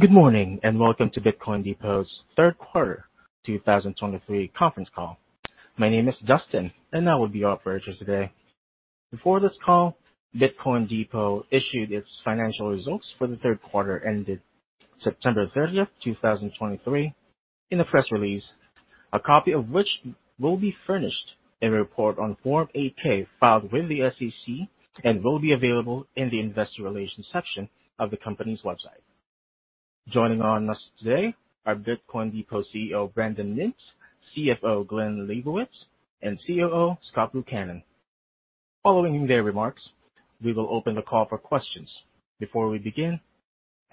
Good morning, and welcome to Bitcoin Depot's third quarter 2023 conference call. My name is Justin, and I will be your operator today. Before this call, Bitcoin Depot issued its financial results for the third quarter ended September 30, 2023, in a press release, a copy of which will be furnished in a report on Form 8-K filed with the SEC and will be available in the investor relations section of the company's website. Joining us today are Bitcoin Depot CEO, Brandon Mintz, CFO, Glen Leibowitz, and COO, Scott Buchanan. Following their remarks, we will open the call for questions. Before we begin,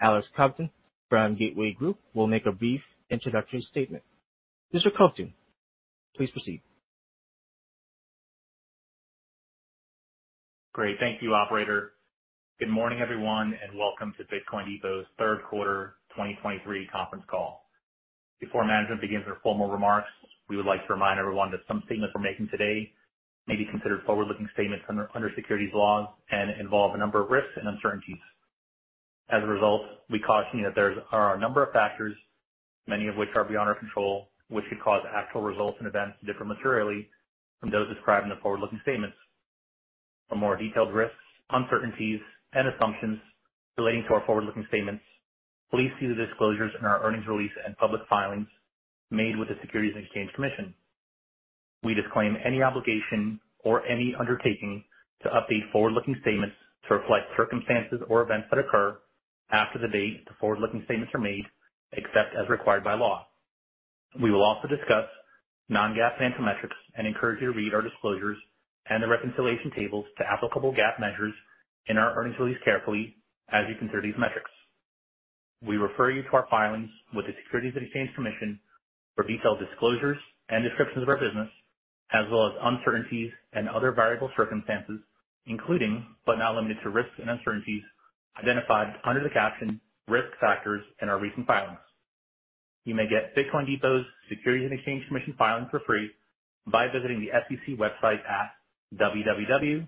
Alex Kovtun from Gateway Group will make a brief introductory statement. Mr. Kovtun, please proceed. Great. Thank you, operator. Good morning, everyone, and welcome to Bitcoin Depot's third quarter 2023 conference call. Before management begins their formal remarks, we would like to remind everyone that some statements we're making today may be considered forward-looking statements under securities laws and involve a number of risks and uncertainties. As a result, we caution you that there are a number of factors, many of which are beyond our control, which could cause actual results and events to differ materially from those described in the forward-looking statements. For more detailed risks, uncertainties, and assumptions relating to our forward-looking statements, please see the disclosures in our earnings release and public filings made with the Securities and Exchange Commission. We disclaim any obligation or any undertaking to update forward-looking statements to reflect circumstances or events that occur after the date the forward-looking statements are made, except as required by law. We will also discuss non-GAAP financial metrics and encourage you to read our disclosures and the reconciliation tables to applicable GAAP measures in our earnings release carefully as you consider these metrics. We refer you to our filings with the Securities and Exchange Commission for detailed disclosures and descriptions of our business, as well as uncertainties and other variable circumstances, including, but not limited to, risks and uncertainties identified under the caption Risk Factors in our recent filings. You may get Bitcoin Depot's Securities and Exchange Commission filings for free by visiting the SEC website at www.sec.gov.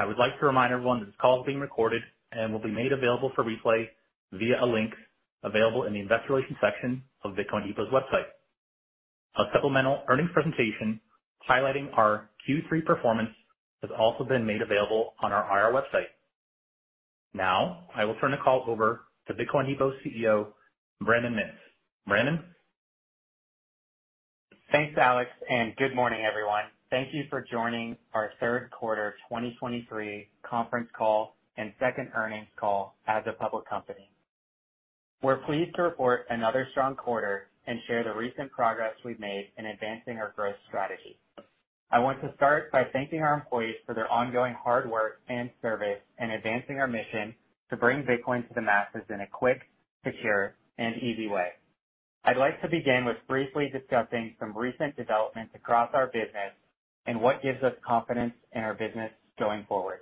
I would like to remind everyone that this call is being recorded and will be made available for replay via a link available in the investor relations section of Bitcoin Depot's website. A supplemental earnings presentation highlighting our Q3 performance has also been made available on our IR website. Now, I will turn the call over to Bitcoin Depot's CEO, Brandon Mintz. Brandon? Thanks, Alex, and good morning, everyone. Thank you for joining our third quarter 2023 conference call and second earnings call as a public company. We're pleased to report another strong quarter and share the recent progress we've made in advancing our growth strategy. I want to start by thanking our employees for their ongoing hard work and service in advancing our mission to bring Bitcoin to the masses in a quick, secure, and easy way. I'd like to begin with briefly discussing some recent developments across our business and what gives us confidence in our business going forward.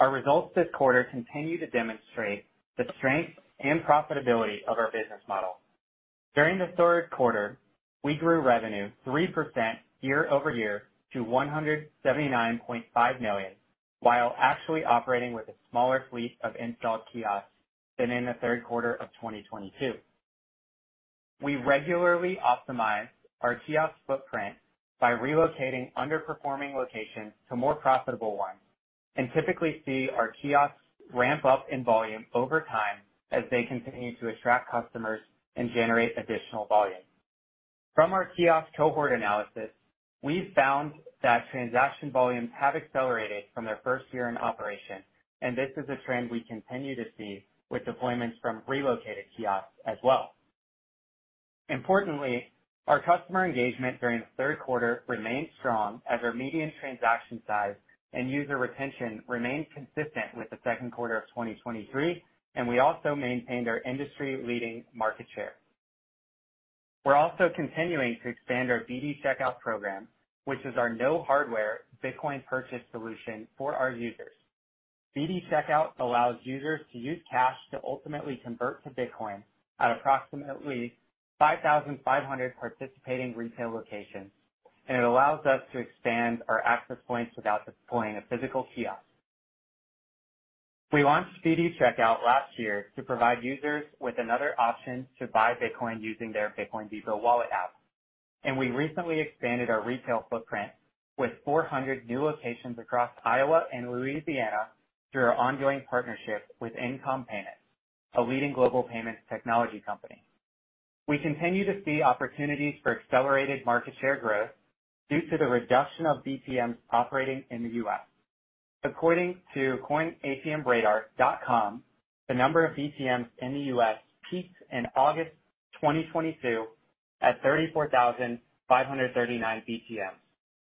Our results this quarter continue to demonstrate the strength and profitability of our business model. During the third quarter, we grew revenue 3% year-over-year to $179.5 million, while actually operating with a smaller fleet of installed kiosks than in the third quarter of 2022. We regularly optimize our kiosk footprint by relocating underperforming locations to more profitable ones, and typically see our kiosks ramp up in volume over time as they continue to attract customers and generate additional volume. From our kiosk cohort analysis, we've found that transaction volumes have accelerated from their first year in operation, and this is a trend we continue to see with deployments from relocated kiosks as well. Importantly, our customer engagement during the third quarter remained strong as our median transaction size and user retention remained consistent with the second quarter of 2023, and we also maintained our industry-leading market share. We're also continuing to expand our BDCheckout program, which is our no hardware Bitcoin purchase solution for our users. BDCheckout allows users to use cash to ultimately convert to Bitcoin at approximately 5,500 participating retail locations, and it allows us to expand our access points without deploying a physical kiosk. We launched BDCheckout last year to provide users with another option to buy Bitcoin using their Bitcoin Depot wallet app, and we recently expanded our retail footprint with 400 new locations across Iowa and Louisiana through our ongoing partnership with InComm Payments, a leading global payments technology company. We continue to see opportunities for accelerated market share growth due to the reduction of BTMs operating in the U.S. According to coinatmradar.com, the number of BTMs in the U.S. peaked in August 2022 at 34,559 BTMs,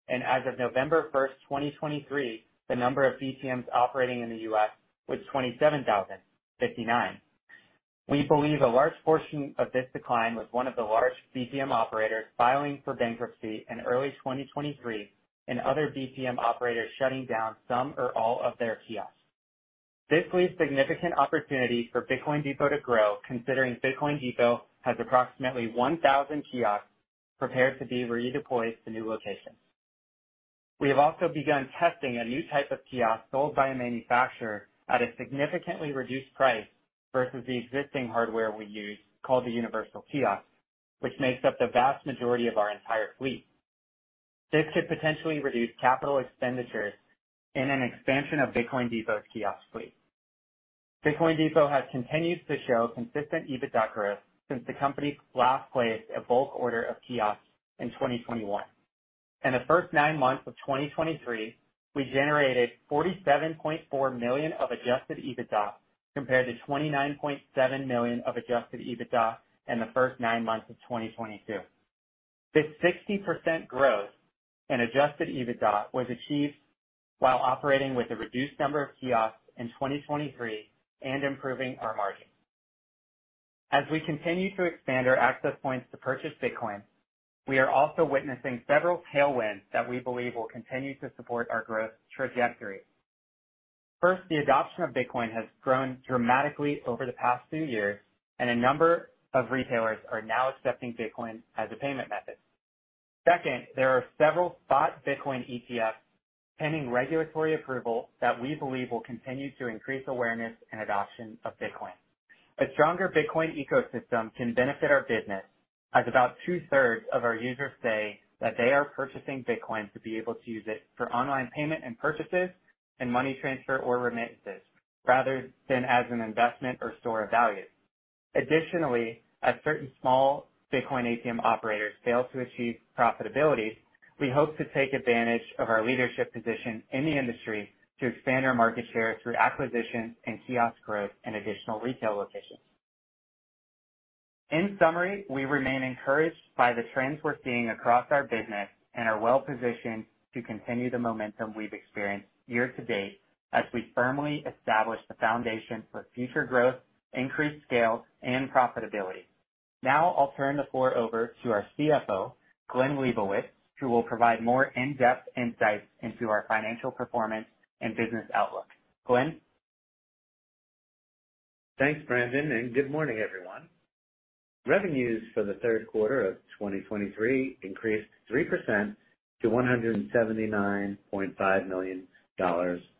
and as of November 1, 2023, the number of BTMs operating in the U.S. was 27,059. We believe a large portion of this decline was one of the large BTM operators filing for bankruptcy in early 2023 and other BTM operators shutting down some or all of their kiosks. This leaves significant opportunities for Bitcoin Depot to grow, considering Bitcoin Depot has approximately 1,000 kiosks prepared to be redeployed to new locations. We have also begun testing a new type of kiosk sold by a manufacturer at a significantly reduced price versus the existing hardware we use, called the Universal Kiosk, which makes up the vast majority of our entire fleet. This could potentially reduce capital expenditures and an expansion of Bitcoin Depot's kiosk fleet. Bitcoin Depot has continued to show consistent EBITDA growth since the company last placed a bulk order of kiosks in 2021. In the first nine months of 2023, we generated $47.4 million of Adjusted EBITDA, compared to $29.7 million of Adjusted EBITDA in the first nine months of 2022. This 60% growth in Adjusted EBITDA was achieved while operating with a reduced number of kiosks in 2023 and improving our margins. As we continue to expand our access points to purchase Bitcoin, we are also witnessing several tailwinds that we believe will continue to support our growth trajectory. First, the adoption of Bitcoin has grown dramatically over the past few years, and a number of retailers are now accepting Bitcoin as a payment method. Second, there are several spot Bitcoin ETFs pending regulatory approval that we believe will continue to increase awareness and adoption of Bitcoin. A stronger Bitcoin ecosystem can benefit our business, as about two-thirds of our users say that they are purchasing Bitcoin to be able to use it for online payment and purchases and money transfer or remittances, rather than as an investment or store of value. Additionally, as certain small Bitcoin ATM operators fail to achieve profitability, we hope to take advantage of our leadership position in the industry to expand our market share through acquisition and kiosk growth in additional retail locations. In summary, we remain encouraged by the trends we're seeing across our business and are well positioned to continue the momentum we've experienced year-to-date as we firmly establish the foundation for future growth, increased scale, and profitability. Now I'll turn the floor over to our CFO, Glen Leibowitz, who will provide more in-depth insights into our financial performance and business outlook. Glen? Thanks, Brandon, and good morning, everyone. Revenues for the third quarter of 2023 increased 3% to $179.5 million,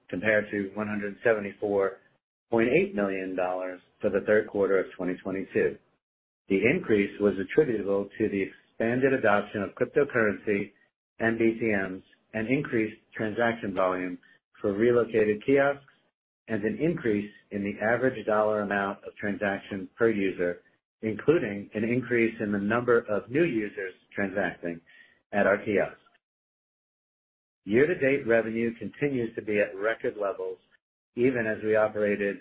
compared to $174.8 million for the third quarter of 2022. The increase was attributable to the expanded adoption of cryptocurrency and BTMs, and increased transaction volume for relocated kiosks, and an increase in the average dollar amount of transactions per user, including an increase in the number of new users transacting at our kiosks. Year-to-date revenue continues to be at record levels, even as we operated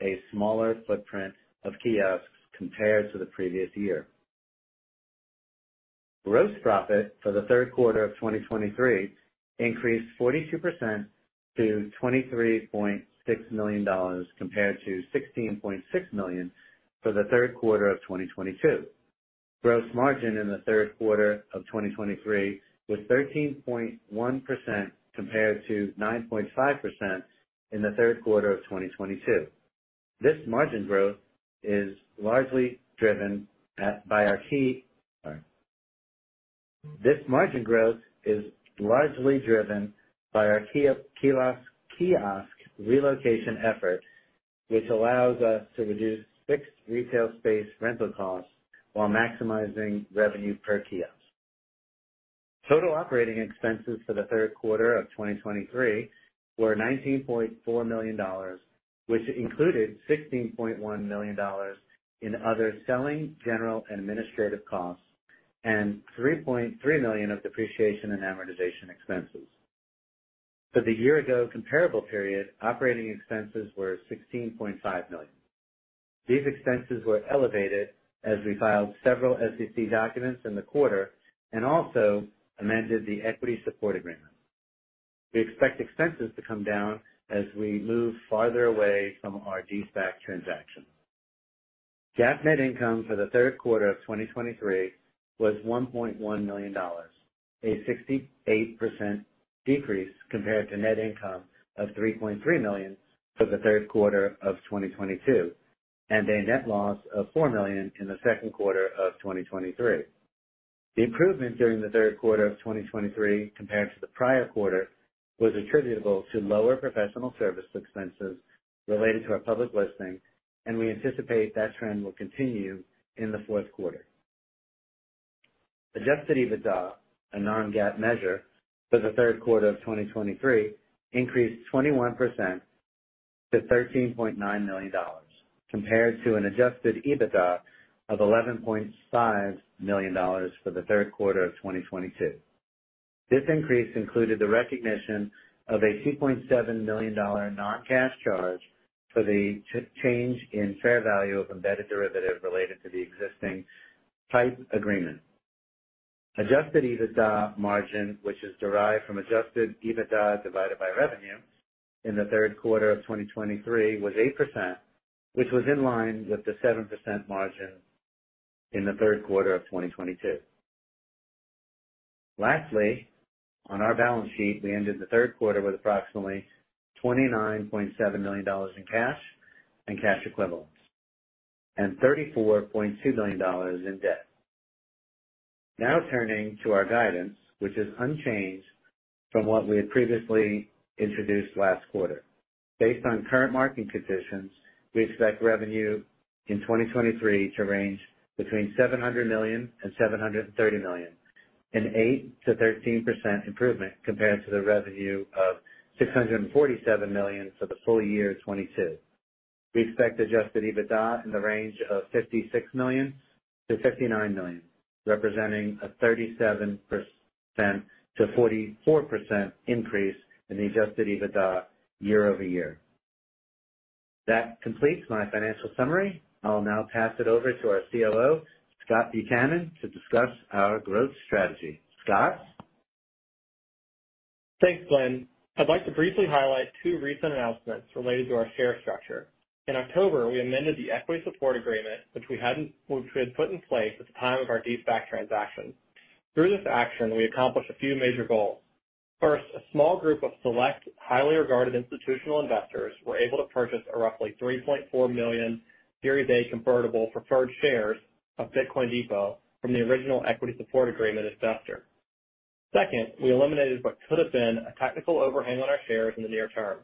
a smaller footprint of kiosks compared to the previous year. Gross profit for the third quarter of 2023 increased 42% to $23.6 million, compared to $16.6 million for the third quarter of 2022. Gross margin in the third quarter of 2023 was 13.1% compared to 9.5% in the third quarter of 2022. This margin growth is largely driven by our kiosk relocation effort, which allows us to reduce fixed retail space rental costs while maximizing revenue per kiosk. Total operating expenses for the third quarter of 2023 were $19.4 million, which included $16.1 million in other selling, general and administrative costs, and $3.3 million of depreciation and amortization expenses. For the year-ago comparable period, operating expenses were $16.5 million. These expenses were elevated as we filed several SEC documents in the quarter and also amended the equity support agreement. We expect expenses to come down as we move farther away from our de-SPAC transaction. GAAP net income for the third quarter of 2023 was $1.1 million, a 68% decrease compared to net income of $3.3 million for the third quarter of 2022, and a net loss of $4 million in the second quarter of 2023. The improvement during the third quarter of 2023 compared to the prior quarter, was attributable to lower professional service expenses related to our public listing, and we anticipate that trend will continue in the fourth quarter. Adjusted EBITDA, a non-GAAP measure for the third quarter of 2023, increased 21% to $13.9 million, compared to an adjusted EBITDA of $11.5 million for the third quarter of 2022. This increase included the recognition of a $2.7 million non-cash charge for the change in fair value of embedded derivatives related to the existing equity support agreement. Adjusted EBITDA margin, which is derived from adjusted EBITDA divided by revenue in the third quarter of 2023, was 8%, which was in line with the 7% margin in the third quarter of 2022. Lastly, on our balance sheet, we ended the third quarter with approximately $29.7 million in cash and cash equivalents and $34.2 billion in debt. Now turning to our guidance, which is unchanged from what we had previously introduced last quarter. Based on current market conditions, we expect revenue in 2023 to range between $700 million and $730 million, an 8%-13% improvement compared to the revenue of $647 million for the full year of 2022. We expect Adjusted EBITDA in the range of $56 million-$59 million, representing a 37%-44% increase in Adjusted EBITDA year over year. That completes my financial summary. I'll now pass it over to our COO, Scott Buchanan, to discuss our growth strategy. Scott? Thanks, Glen. I'd like to briefly highlight two recent announcements related to our share structure. In October, we amended the equity support agreement, which we had put in place at the time of our de-SPAC transaction. Through this action, we accomplished a few major goals. First, a small group of select, highly regarded institutional investors were able to purchase roughly 3.4 million Series A convertible preferred shares of Bitcoin Depot from the original equity support agreement investor. Second, we eliminated what could have been a technical overhang on our shares in the near term.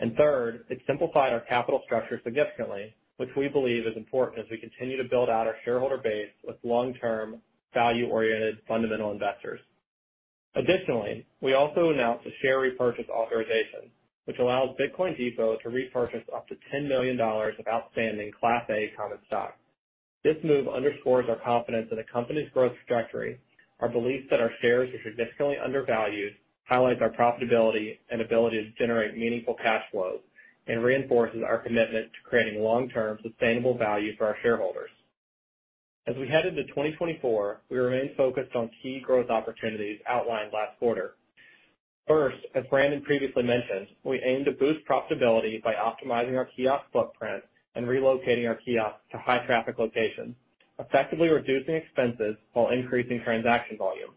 And third, it simplified our capital structure significantly, which we believe is important as we continue to build out our shareholder base with long-term, value-oriented, fundamental investors. Additionally, we also announced a share repurchase authorization, which allows Bitcoin Depot to repurchase up to $10 million of outstanding Class A common stock. This move underscores our confidence in the company's growth trajectory, our belief that our shares are significantly undervalued, highlights our profitability and ability to generate meaningful cash flows, and reinforces our commitment to creating long-term, sustainable value for our shareholders. As we head into 2024, we remain focused on key growth opportunities outlined last quarter. First, as Brandon previously mentioned, we aim to boost profitability by optimizing our kiosk footprint and relocating our kiosks to high-traffic locations, effectively reducing expenses while increasing transaction volume.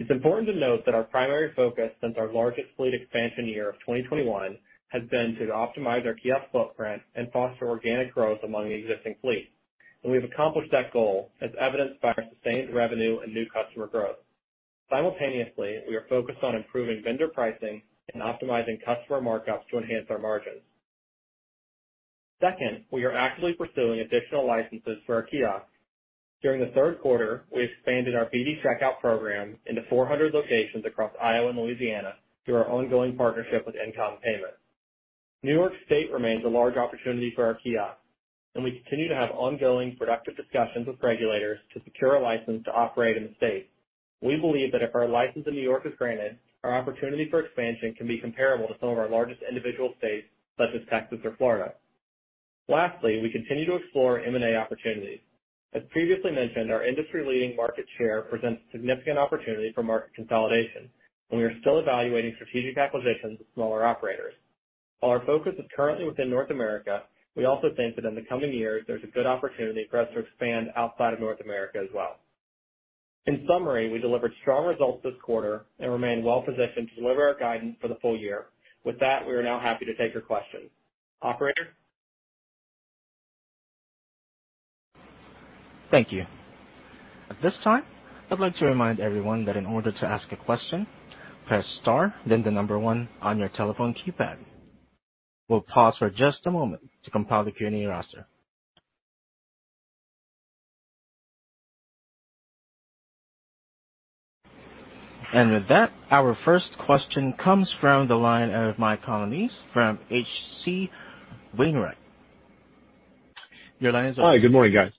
It's important to note that our primary focus since our largest fleet expansion year of 2021 has been to optimize our kiosk footprint and foster organic growth among the existing fleet. We've accomplished that goal, as evidenced by our sustained revenue and new customer growth. Simultaneously, we are focused on improving vendor pricing and optimizing customer markups to enhance our margins. Second, we are actively pursuing additional licenses for our kiosks. During the third quarter, we expanded our BDCheckout program into 400 locations across Iowa and Louisiana through our ongoing partnership with InComm Payments. New York State remains a large opportunity for our kiosks, and we continue to have ongoing, productive discussions with regulators to secure a license to operate in the state. We believe that if our license in New York is granted, our opportunity for expansion can be comparable to some of our largest individual states, such as Texas or Florida. Lastly, we continue to explore M&A opportunities. As previously mentioned, our industry-leading market share presents significant opportunity for market consolidation, and we are still evaluating strategic acquisitions with smaller operators. While our focus is currently within North America, we also think that in the coming years, there's a good opportunity for us to expand outside of North America as well. In summary, we delivered strong results this quarter and remain well positioned to deliver our guidance for the full year. With that, we are now happy to take your questions. Operator? Thank you. At this time, I'd like to remind everyone that in order to ask a question, press star then the number one on your telephone keypad. We'll pause for just a moment to compile the Q&A roster. With that, our first question comes from the line of Mike Colonnese from H.C. Wainwright. Your line is open. Hi, good morning, guys.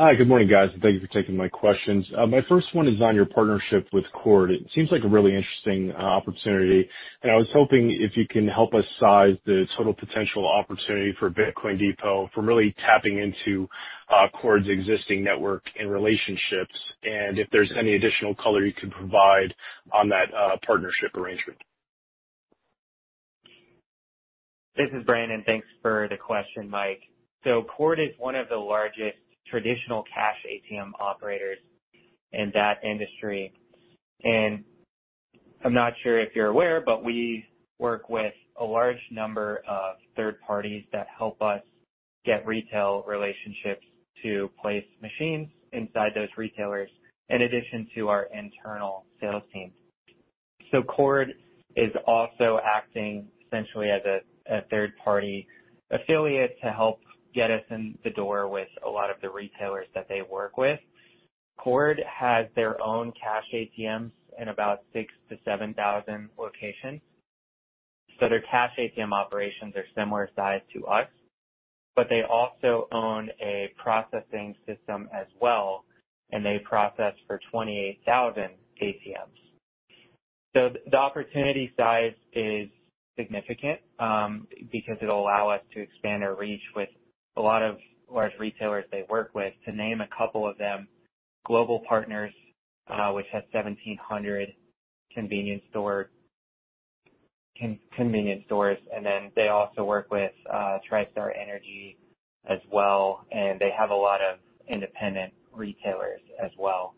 Hi, good morning, guys, and thank you for taking my questions. My first one is on your partnership with CORD. It seems like a really interesting opportunity, and I was hoping if you can help us size the total potential opportunity for Bitcoin Depot from really tapping into CORD's existing network and relationships, and if there's any additional color you can provide on that partnership arrangement. This is Brandon. Thanks for the question, Mike. So CORD is one of the largest traditional cash ATM operators in that industry, and I'm not sure if you're aware, but we work with a large number of third parties that help us get retail relationships to place machines inside those retailers in addition to our internal sales team. So CORD is also acting essentially as a third-party affiliate to help get us in the door with a lot of the retailers that they work with. CORD has their own cash ATMs in about 6-7 thousand locations. So their cash ATM operations are similar size to us, but they also own a processing system as well, and they process for 28,000 ATMs. So the opportunity size is significant, because it'll allow us to expand our reach with a lot of large retailers they work with. To name a couple of them, Global Partners, which has 1,700 convenience stores, and then they also work with Tri Star Energy as well, and they have a lot of independent retailers as well. ...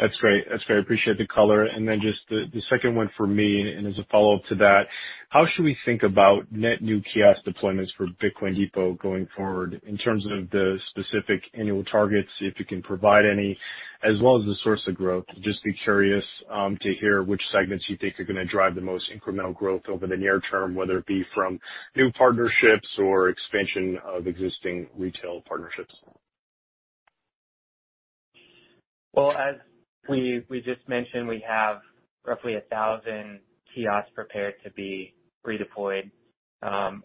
That's great. That's great. I appreciate the color. And then just the, the second one for me, and as a follow-up to that, how should we think about net new kiosk deployments for Bitcoin Depot going forward in terms of the specific annual targets, if you can provide any, as well as the source of growth? Just be curious, to hear which segments you think are going to drive the most incremental growth over the near term, whether it be from new partnerships or expansion of existing retail partnerships. Well, as we just mentioned, we have roughly 1,000 kiosks prepared to be redeployed.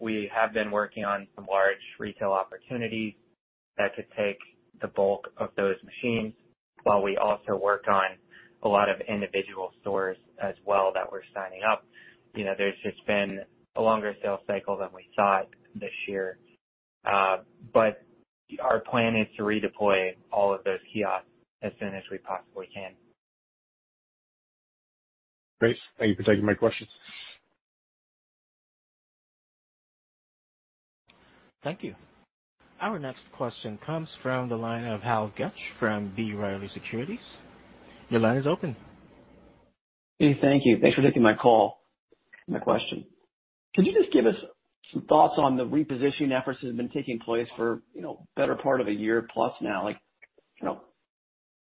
We have been working on some large retail opportunities that could take the bulk of those machines, while we also work on a lot of individual stores as well that we're signing up. You know, there's just been a longer sales cycle than we thought this year. But our plan is to redeploy all of those kiosks as soon as we possibly can. Great. Thank you for taking my questions. Thank you. Our next question comes from the line of Hal Goetsch from B. Riley Securities. Your line is open. Hey, thank you. Thanks for taking my call and my question. Could you just give us some thoughts on the repositioning efforts that have been taking place for, you know, better part of a year plus now? Like,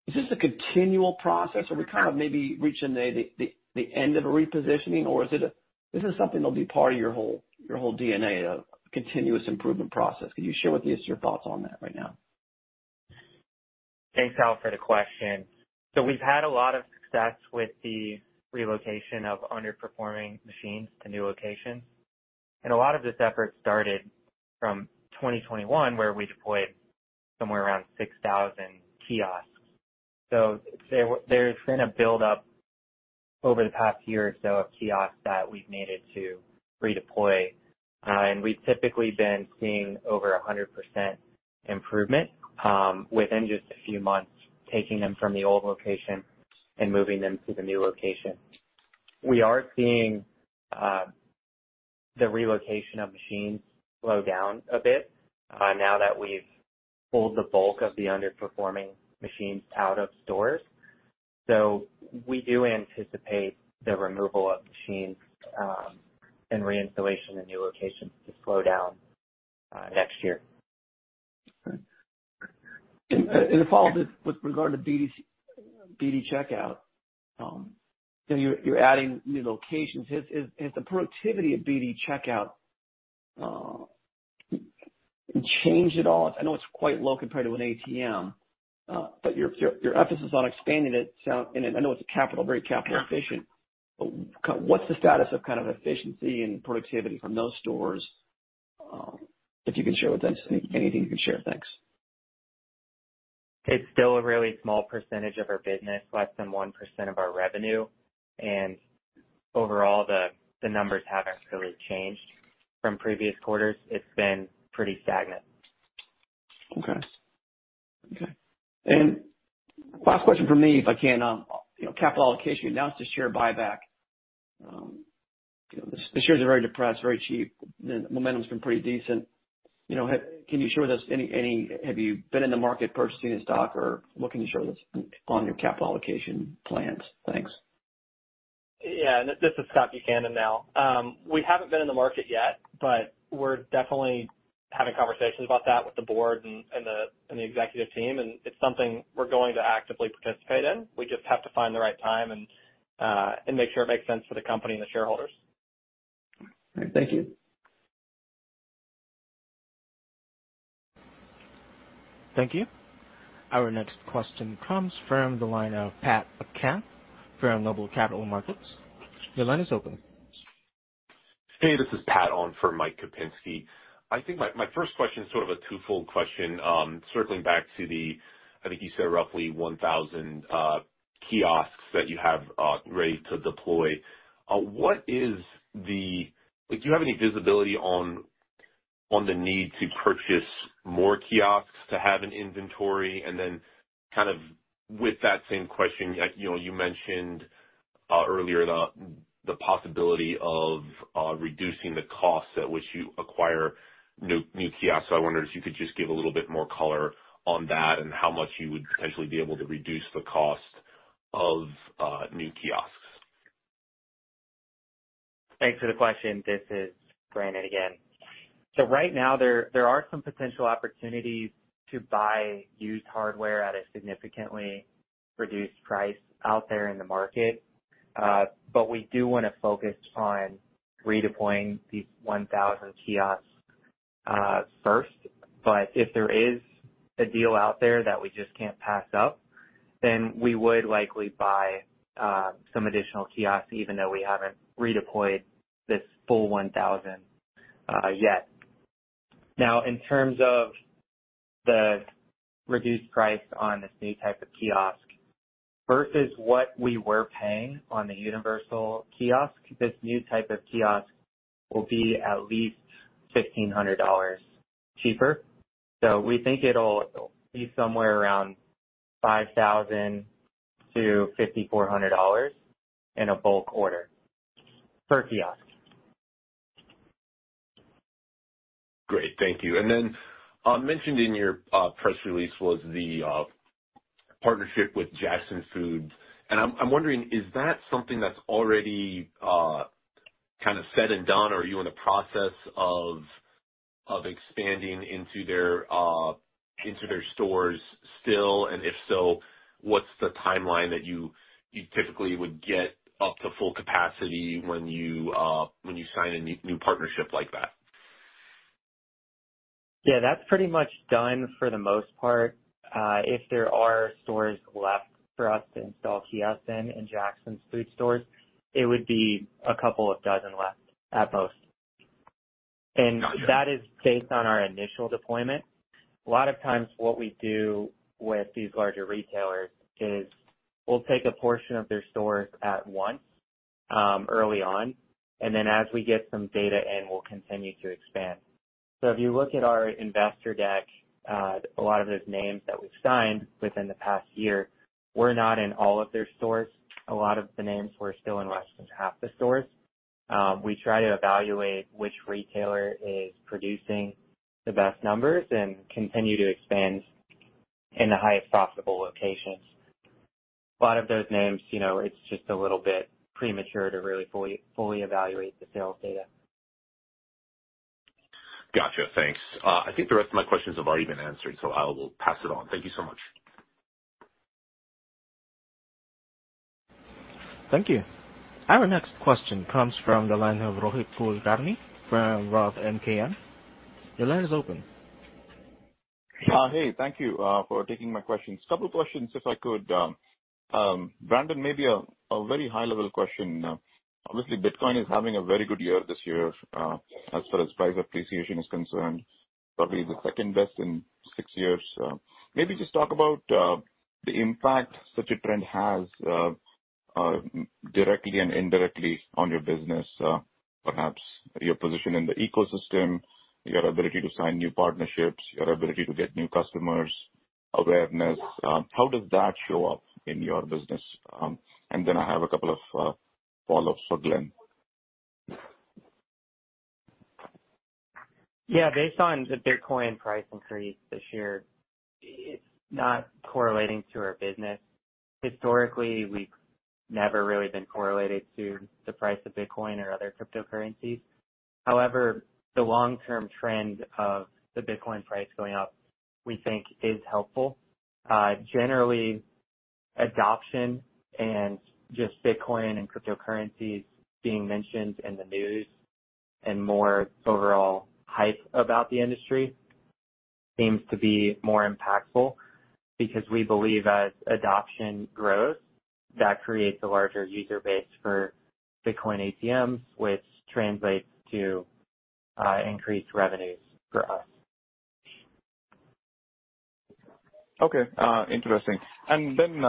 you know, is this a continual process or we kind of maybe reaching the end of a repositioning? Or is it a -- is this something that'll be part of your whole, your whole DNA, a continuous improvement process? Can you share with us your thoughts on that right now? Thanks, Hal, for the question. So we've had a lot of success with the relocation of underperforming machines to new locations. And a lot of this effort started from 2021, where we deployed somewhere around 6,000 kiosks. So there's been a buildup over the past year or so of kiosks that we've needed to redeploy. And we've typically been seeing over 100% improvement within just a few months, taking them from the old location and moving them to the new location. We are seeing the relocation of machines slow down a bit now that we've pulled the bulk of the underperforming machines out of stores. So we do anticipate the removal of machines and reinstallation in new locations to slow down next year. A follow-up with regard to BDCheckout. So you're adding new locations. Has the productivity of BDCheckout changed at all? I know it's quite low compared to an ATM, but your emphasis on expanding it sound... And I know it's a capital, very capital efficient. But what's the status of kind of efficiency and productivity from those stores? If you can share with us anything you can share. Thanks. It's still a really small percentage of our business, less than 1% of our revenue, and overall the numbers haven't really changed from previous quarters. It's been pretty stagnant. Okay. Okay. And last question from me, if I can, you know, capital allocation, you announced the share buyback. You know, the, the shares are very depressed, very cheap, and momentum's been pretty decent. You know, have -- can you share with us any, any -- have you been in the market purchasing the stock or what can you share with us on your capital allocation plans? Thanks. Yeah, this is Scott Buchanan now. We haven't been in the market yet, but we're definitely having conversations about that with the board and the executive team, and it's something we're going to actively participate in. We just have to find the right time and make sure it makes sense for the company and the shareholders. All right. Thank you. Thank you. Our next question comes from the line of Pat McCann, Noble Capital Markets. Your line is open. Hey, this is Pat on for Mike Kupinski. I think my first question is sort of a twofold question. Circling back to the, I think you said roughly 1,000 kiosks that you have ready to deploy. What is the... Like, do you have any visibility on the need to purchase more kiosks to have in inventory? And then kind of with that same question, like, you know, you mentioned earlier the possibility of reducing the cost at which you acquire new kiosks. So I wondered if you could just give a little bit more color on that and how much you would potentially be able to reduce the cost of new kiosks. Thanks for the question. This is Brandon again. So right now, there, there are some potential opportunities to buy used hardware at a significantly reduced price out there in the market. But we do want to focus on redeploying these 1,000 kiosks first. But if there is a deal out there that we just can't pass up, then we would likely buy some additional kiosks, even though we haven't redeployed this full 1,000 yet. Now, in terms of the reduced price on this new type of kiosk, versus what we were paying on the Universal Kiosk, this new type of kiosk will be at least $1,500 cheaper. So we think it'll be somewhere around $5,000-$5,400 in a bulk order per kiosk.... Great. Thank you. And then, mentioned in your press release was the partnership with Jacksons Food Stores. And I'm wondering, is that something that's already kind of said and done, or are you in the process of expanding into their stores still? And if so, what's the timeline that you typically would get up to full capacity when you sign a new partnership like that? Yeah, that's pretty much done for the most part. If there are stores left for us to install kiosks in Jacksons Food Stores, it would be a couple of dozen left at most. Got you. That is based on our initial deployment. A lot of times what we do with these larger retailers is we'll take a portion of their stores at once, early on, and then as we get some data in, we'll continue to expand. If you look at our investor deck, a lot of those names that we've signed within the past year, we're not in all of their stores. A lot of the names, we're still in less than half the stores. We try to evaluate which retailer is producing the best numbers and continue to expand in the highest profitable locations. A lot of those names, you know, it's just a little bit premature to really fully, fully evaluate the sales data. Gotcha. Thanks. I think the rest of my questions have already been answered, so I will pass it on. Thank you so much. Thank you. Our next question comes from the line of Rohit Kulkarni from Roth MKM. Your line is open. Hey, thank you for taking my questions. Couple questions, if I could. Brandon, maybe a very high-level question. Obviously, Bitcoin is having a very good year this year as far as price appreciation is concerned, probably the second best in six years. Maybe just talk about the impact such a trend has directly and indirectly on your business, perhaps your position in the ecosystem, your ability to sign new partnerships, your ability to get new customers awareness. And then I have a couple of follow-ups for Glen. Yeah, based on the Bitcoin price increase this year, it's not correlating to our business. Historically, we've never really been correlated to the price of Bitcoin or other cryptocurrencies. However, the long-term trend of the Bitcoin price going up, we think is helpful. Generally, adoption and just Bitcoin and cryptocurrencies being mentioned in the news and more overall hype about the industry seems to be more impactful because we believe as adoption grows, that creates a larger user base for Bitcoin ATMs, which translates to increased revenues for us. Okay, interesting. And then,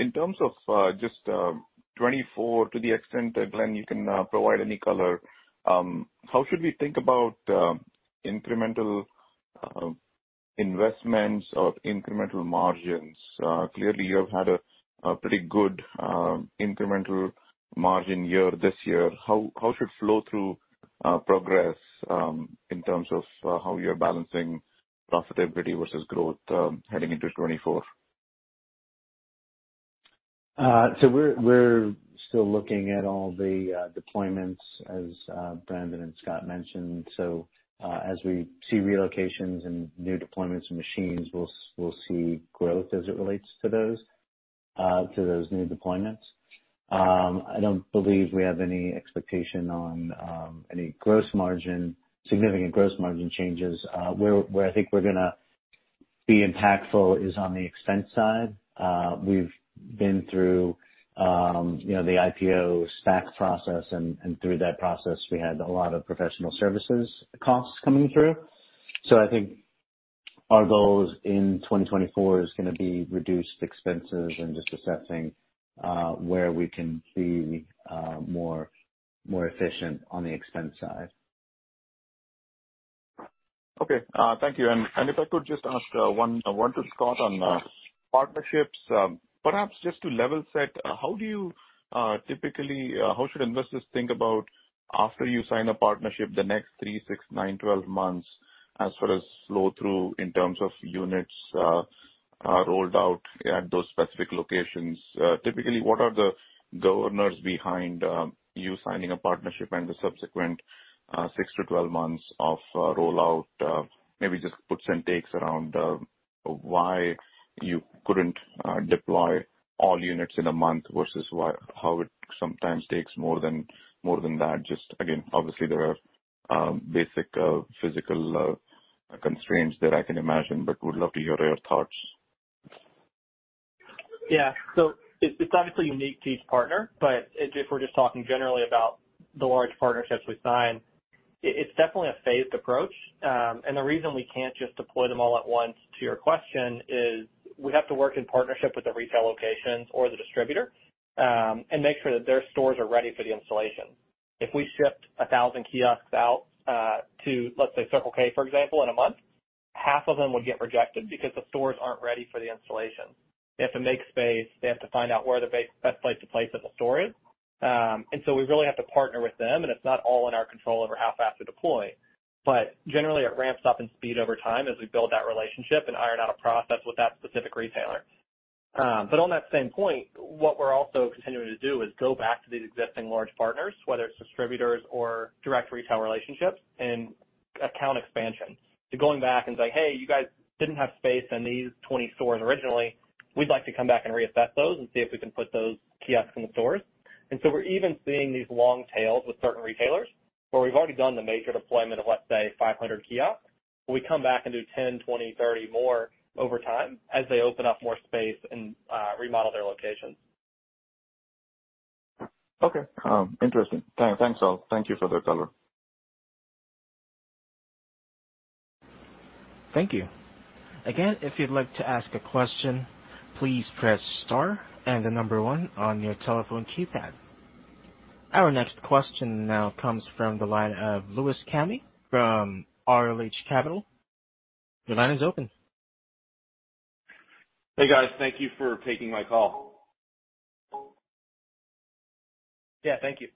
in terms of just 2024, to the extent that, Glen, you can provide any color, how should we think about incremental investments or incremental margins? Clearly, you have had a pretty good incremental margin year this year. How should flow through progress in terms of how you're balancing profitability versus growth, heading into 2024? So we're still looking at all the deployments as Brandon and Scott mentioned. So as we see relocations and new deployments and machines, we'll see growth as it relates to those new deployments. I don't believe we have any expectation on any significant gross margin changes. Where I think we're gonna be impactful is on the expense side. We've been through you know the IPO SPAC process, and through that process, we had a lot of professional services costs coming through. So I think our goals in 2024 is gonna be reduced expenses and just assessing where we can be more efficient on the expense side. Okay, thank you. And if I could just ask one to Scott on partnerships. Perhaps just to level set, how should investors think about after you sign a partnership, the next 3, 6, 9, 12 months, as far as flow-through in terms of units are rolled out at those specific locations? Typically, what are the governors behind you signing a partnership and the subsequent 6-12 months of rollout? Maybe just puts and takes around why you couldn't deploy all units in a month versus why—how it sometimes takes more than that. Just again, obviously there are basic physical constraints that I can imagine, but would love to hear your thoughts. Yeah. So it's obviously unique to each partner, but if we're just talking generally about the large partnerships we sign, it's definitely a phased approach. And the reason we can't just deploy them all at once, to your question, is we have to work in partnership with the retail locations or the distributor, and make sure that their stores are ready for the installation. If we shipped 1,000 kiosks out, to, let's say, Circle K, for example, in a month, half of them will get rejected because the stores aren't ready for the installation. They have to make space. They have to find out where the best place to place it in the store is. And so we really have to partner with them, and it's not all in our control over how fast to deploy. Generally it ramps up in speed over time as we build that relationship and iron out a process with that specific retailer. On that same point, what we're also continuing to do is go back to these existing large partners, whether it's distributors or direct retail relationships and account expansion. So going back and say, "Hey, you guys didn't have space in these 20 stores originally. We'd like to come back and reassess those and see if we can put those kiosks in the stores." And so we're even seeing these long tails with certain retailers, where we've already done the major deployment of, let's say, 500 kiosks. We come back and do 10, 20, 30 more over time as they open up more space and remodel their locations. Okay. Interesting. Thanks, all. Thank you for the color. Thank you. Again, if you'd like to ask a question, please press star and the number one on your telephone keypad. Our next question now comes from the line of Louis Camhi from RLH Capital. Your line is open. Hey, guys. Thank you for taking my call. Yeah, thank you.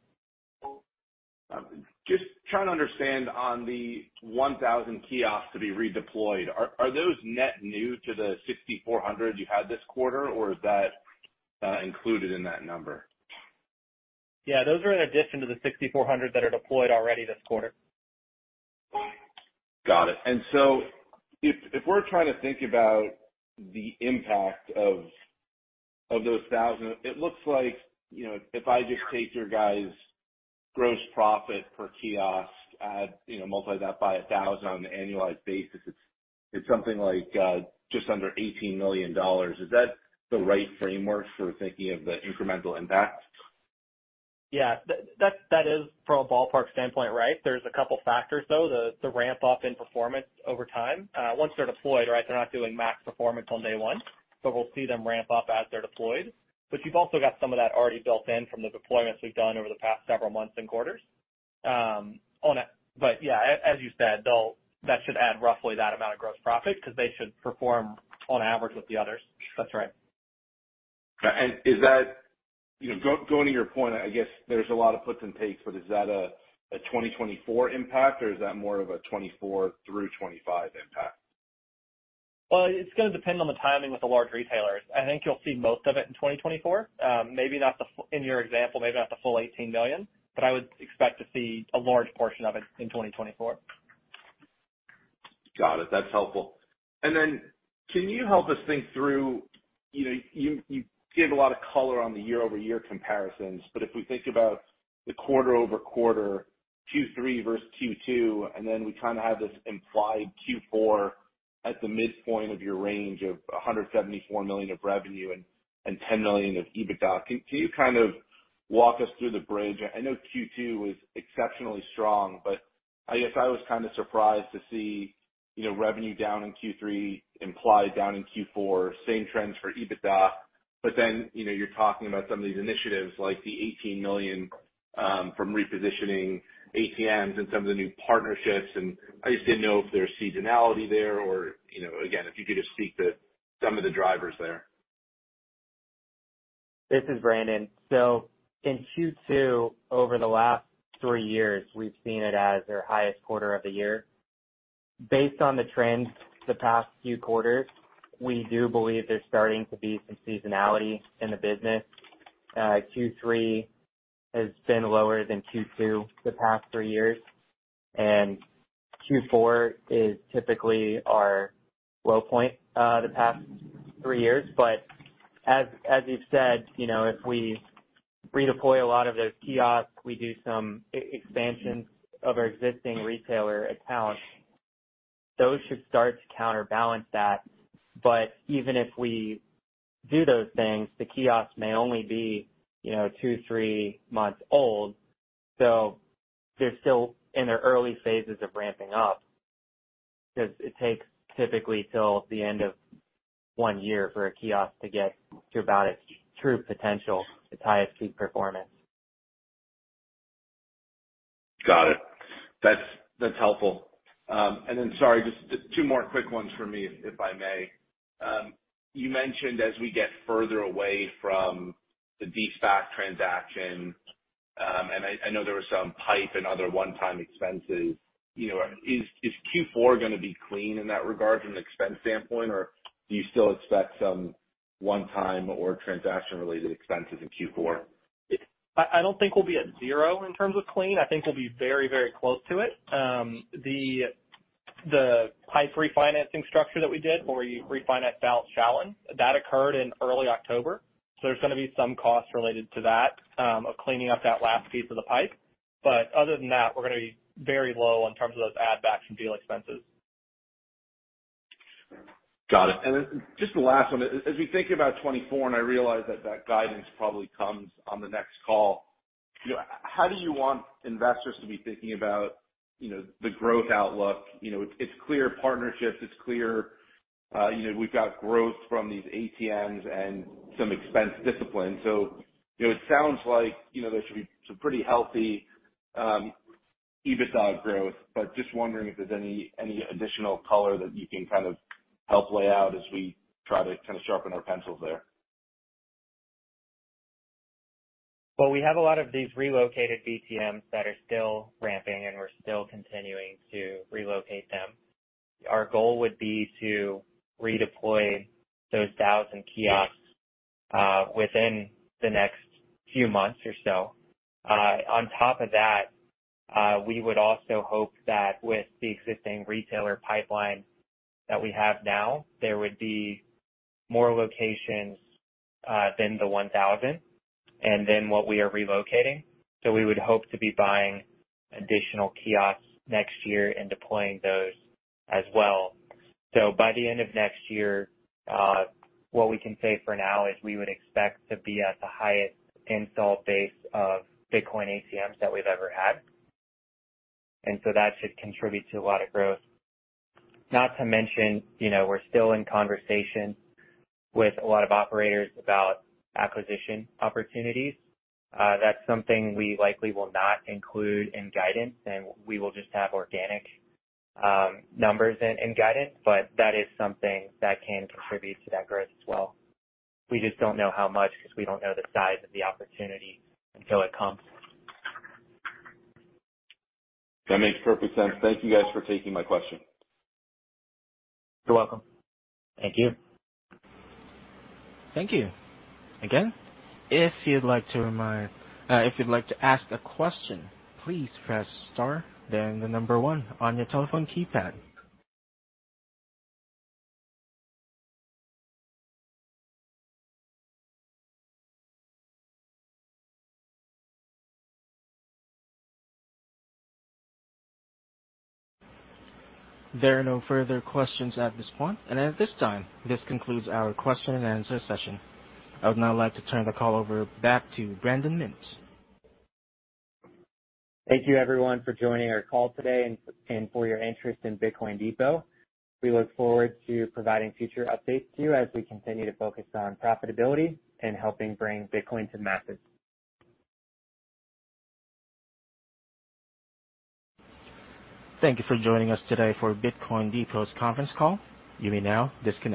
Just trying to understand on the 1,000 kiosks to be redeployed, are those net new to the 6,400 you had this quarter, or is that included in that number? Yeah, those are in addition to the 6,400 that are deployed already this quarter. Got it. And so if we're trying to think about the impact of those 1,000, it looks like, you know, if I just take your guys' gross profit per kiosk, add—you know, multiply that by 1,000 on an annualized basis, it's something like just under $18 million. Is that the right framework for thinking of the incremental impact? Yeah, that is, from a ballpark standpoint, right. There's a couple factors, though. The ramp up in performance over time. Once they're deployed, right, they're not doing max performance on day one, so we'll see them ramp up as they're deployed. But you've also got some of that already built in from the deployments we've done over the past several months and quarters. But yeah, as you said, they'll, that should add roughly that amount of gross profit because they should perform on average with the others. That's right. Is that... You know, going to your point, I guess there's a lot of puts and takes, but is that a 2024 impact, or is that more of a 2024 through 2025 impact? Well, it's going to depend on the timing with the large retailers. I think you'll see most of it in 2024. Maybe not the full $18 million in your example, but I would expect to see a large portion of it in 2024. Got it. That's helpful. And then can you help us think through, you know, you gave a lot of color on the year-over-year comparisons, but if we think about the quarter-over-quarter, Q3 versus Q2, and then we kind of have this implied Q4 at the midpoint of your range of $174 million of revenue and $10 million of EBITDA. Can you kind of walk us through the bridge? I know Q2 was exceptionally strong, but I guess I was kind of surprised to see, you know, revenue down in Q3, implied down in Q4, same trends for EBITDA. But then, you know, you're talking about some of these initiatives, like the $18 million from repositioning ATMs and some of the new partnerships, and I just didn't know if there's seasonality there or, you know, again, if you could just speak to some of the drivers there. This is Brandon. So in Q2, over the last three years, we've seen it as our highest quarter of the year. Based on the trends the past few quarters, we do believe there's starting to be some seasonality in the business. Q3 has been lower than Q2 the past three years, and Q4 is typically our low point, the past three years. But as you've said, you know, if we redeploy a lot of those kiosks, we do some expansions of our existing retailer accounts. Those should start to counterbalance that, but even if we do those things, the kiosks may only be, you know, two, three months old, so they're still in their early phases of ramping up. Because it takes typically till the end of one year for a kiosk to get to about its true potential, its highest peak performance. Got it. That's, that's helpful. And then, sorry, just two more quick ones for me, if I may. You mentioned as we get further away from the de-SPAC transaction, and I, I know there was some PIPE and other one-time expenses, you know, is, is Q4 going to be clean in that regard from an expense standpoint, or do you still expect some one-time or transaction-related expenses in Q4? I don't think we'll be at zero in terms of clean. I think we'll be very, very close to it. The PIPE refinancing structure that we did, where we refinanced balance sheet, that occurred in early October. So there's going to be some costs related to that, of cleaning up that last piece of the PIPE. But other than that, we're going to be very low in terms of those add backs and deal expenses. Got it. And then just the last one. As we think about 2024, and I realize that that guidance probably comes on the next call. You know, how do you want investors to be thinking about, you know, the growth outlook? You know, it's clear partnerships. It's clear... you know, we've got growth from these ATMs and some expense discipline. So, you know, it sounds like, you know, there should be some pretty healthy EBITDA growth, but just wondering if there's any, any additional color that you can kind of help lay out as we try to kind of sharpen our pencils there. Well, we have a lot of these relocated BTMs that are still ramping, and we're still continuing to relocate them. Our goal would be to redeploy those 1,000 kiosks within the next few months or so. On top of that, we would also hope that with the existing retailer pipeline that we have now, there would be more locations than the 1,000 and then what we are relocating. So we would hope to be buying additional kiosks next year and deploying those as well. So by the end of next year, what we can say for now is we would expect to be at the highest install base of Bitcoin ATMs that we've ever had. And so that should contribute to a lot of growth. Not to mention, you know, we're still in conversation with a lot of operators about acquisition opportunities. That's something we likely will not include in guidance, and we will just have organic numbers in guidance, but that is something that can contribute to that growth as well. We just don't know how much, because we don't know the size of the opportunity until it comes. That makes perfect sense. Thank you guys for taking my question. You're welcome. Thank you. Thank you. Again, if you'd like to ask a question, please press star, then the number one on your telephone keypad. There are no further questions at this point. At this time, this concludes our question and answer session. I would now like to turn the call over back to Brandon Mintz. Thank you, everyone, for joining our call today and for your interest in Bitcoin Depot. We look forward to providing future updates to you as we continue to focus on profitability and helping bring Bitcoin to the masses. Thank you for joining us today for Bitcoin Depot's conference call. You may now disconnect.